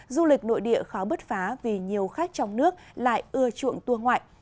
du lịch nội địa khó bứt phá vì nhiều khách trong nước lại ưa chuộng tour ngoại